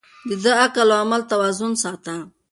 ده د عقل او عمل توازن ساته.